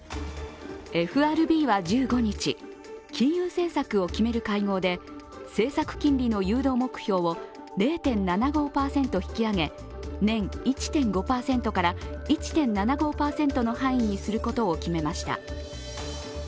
ＦＲＢは１５日、金融政策を決める会合で政策金利の誘導目標を０．７５％引き上げ年１．５％から１．７５％の範囲にすることを決めました。